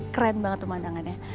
keren banget pemandangannya